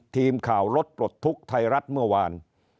ทีมข่าวรถปลดทุกข์ไทยรัฐเมื่อวาน